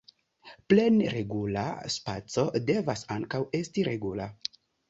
Plene regula spaco devas ankaŭ esti regula.